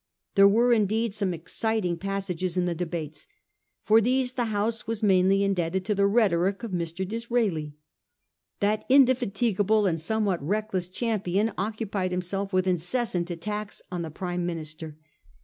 There were, indeed, some exciting passages in the debates. For these the House was mainly indebted to the rhetoric of Mr. Disraeli. That indefatigable and somewhat reckless champion occupied himself with incessant attacks on the Prime Minister.